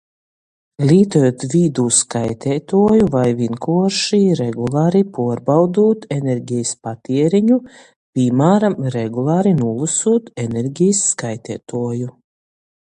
Lītojūt vīdū skaiteituoju voi vīnkuorši regulari puorbaudūt energejis patiereņu, pīmāram, regulari nūlosūt energejis skaiteituoju.